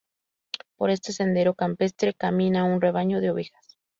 Por este sendero campestre camina un rebaño de ovejas.